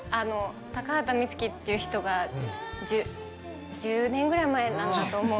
高畑充希っていう人が１０年ぐらい前かなと思う。